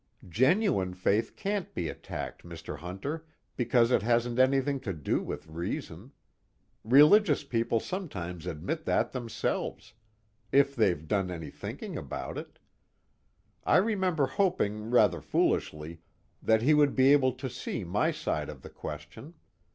"Genuine faith can't be attacked, Mr. Hunter, because it hasn't anything to do with reason. Religious people sometimes admit that themselves, if they've done any thinking about it. I remember hoping rather foolishly that he would be able to see my side of the question.